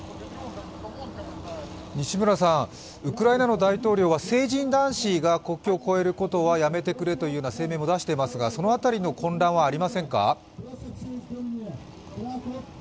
ウクライナの大統領は成人男子が国境を越えることはやめてくれというような声明も出していますが、その辺りの混乱はありませんか？